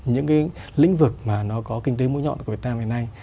những cái lĩnh vực mà nó có kinh tế mũi nhọn của việt nam hiện nay